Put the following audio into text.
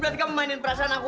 berarti kamu mainin perasaan aku